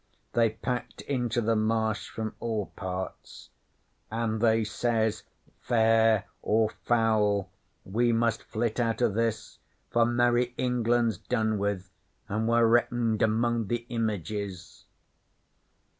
They packed into the Marsh from all parts, and they says, "Fair or foul, we must flit out o' this, for Merry England's done with, an' we're reckoned among the Images."'